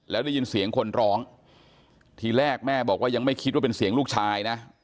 แล้วได้ยินเสียงคนร้องทีแรกแม่บอกว่ายังไม่คิดว่าเป็นเสียงลูกชายนะ